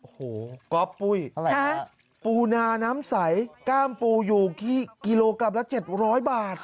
โอ้โหก๊อปปุ้ยอะไรฮะปูนาน้ำใสกล้ามปูอยู่กิโลกรัมละ๗๐๐บาท